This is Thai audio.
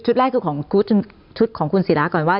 ชุดแรกคือของคุณศิลาก่อนว่า